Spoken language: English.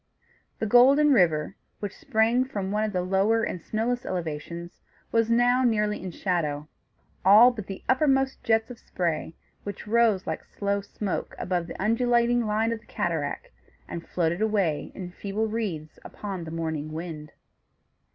The Golden River, which sprang from one of the lower and snowless elevations, was now nearly in shadow; all but the uppermost jets of spray, which rose like slow smoke above the undulating line of the cataract, and floated away in feeble wreaths upon the morning wind.